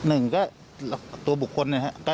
หนึ่งก็ตัวบุคคลนะครับ